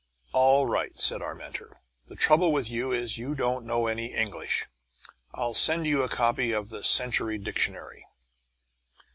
"All right," said our mentor. "The trouble with you is you don't know any English. I'll send you a copy of the Century dictionary."